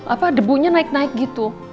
apa debunya naik naik gitu